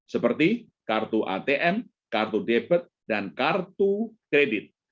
seperti kartu atm kartu debit dan kartu kredit